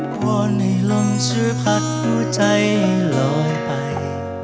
ว่าในลมเชื้อผัดหัวใจล้อยไป